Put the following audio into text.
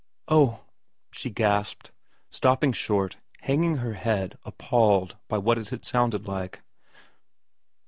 ' Oh,' she gasped, stopping short, hanging her head appalled by what it had sounded like.